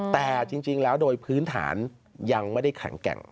แต่จริงแล้วโดยพื้นฐานยังไม่ได้แข็งแกร่ง